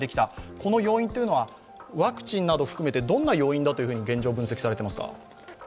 この要因というのは、ワクチンなど含めてどんな要因だと分析されていますか？